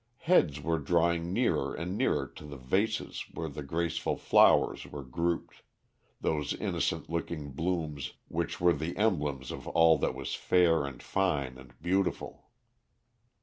Heads were drawing nearer and nearer to the vases where the graceful flowers were grouped those innocent looking blooms which were the emblems of all that was fair and fine and beautiful.